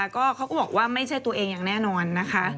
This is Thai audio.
ก็เขาก็บอกว่าไม่ใช่ตัวเองอย่างแน่นอนนะคะ